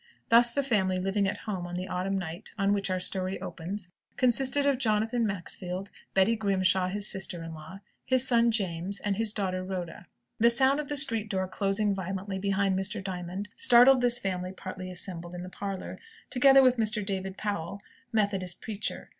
Thus the family living at home on the autumn night on which our story opens, consisted of Jonathan Maxfield, Betty Grimshaw his sister in law, his son James, and his daughter Rhoda. The sound of the street door closing violently behind Mr. Diamond, startled this family party assembled in the parlour, together with Mr. David Powell, Methodist preacher.